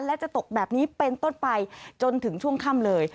และจะตกแบบนี้เป็นต้นไปจนถึงช่วงค่ำเลย